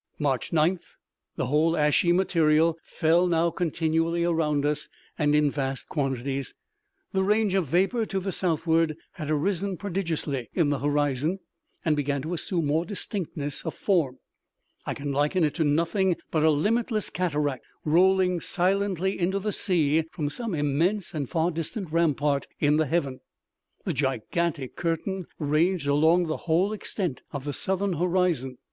March 9th. The whole ashy material fell now continually around us, and in vast quantities. The range of vapor to the southward had arisen prodigiously in the horizon, and began to assume more distinctness of form. I can liken it to nothing but a limitless cataract, rolling silently into the sea from some immense and far distant rampart in the heaven. The gigantic curtain ranged along the whole extent of the southern horizon.